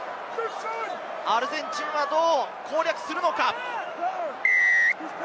アルゼンチンはどう攻略するのか？